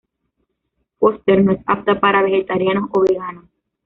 Foster's no es apta para Vegetarianos o veganos.